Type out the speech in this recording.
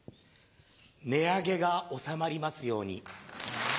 ネ上げが収まりますように。